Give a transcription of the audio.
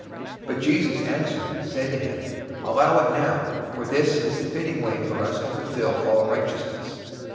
003:015 But Jesus, answering, said to him, "Allow it now, for this is the fitting way for us to fulfill all righteousness."